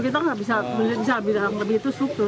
kita nggak bisa bilang lebih itu struktur